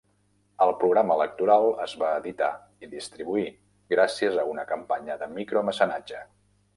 El programa electoral es va editar i distribuir gràcies a una campanya de micromecenatge.